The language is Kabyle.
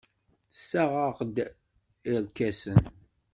Tessaɣ-aɣ-d irkasen.